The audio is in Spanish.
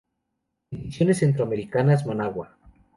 Ediciones Centroamericanas: Managua.